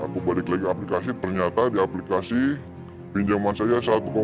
aku balik lagi ke aplikasi ternyata di aplikasi pinjaman saya satu delapan